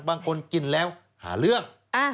บางคนกินแล้วหาเรื่อง